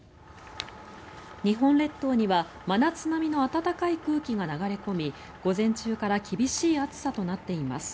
日本列島には真夏並みの暖かい空気が流れ込み午前中から厳しい暑さとなっています。